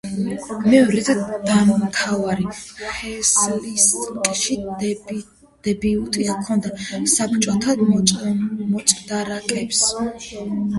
მეორე და მთავარი: ჰელსინკში დებიუტი ჰქონდა საბჭოთა მოჭდრაკეებს.